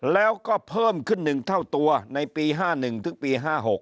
แล้วก็เพิ่มขึ้น๑เท่าตัวในปี๕๑ถึงปี๕๖